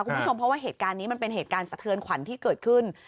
คุณผู้ชมเพราะว่าเหตุการณ์นี้มันเป็นเหตุการณ์สะเทือนขวัญที่เกิดขึ้น